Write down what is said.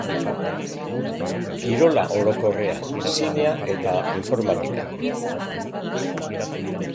Kirola orokorrean, zinea eta informatika.